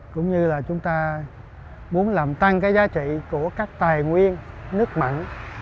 cũng như là chúng ta muốn làm tăng cái giá trị của các tài nguyên nước mặn